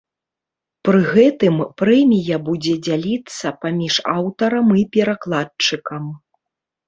Пры гэтым прэмія будзе дзяліцца паміж аўтарам і перакладчыкам.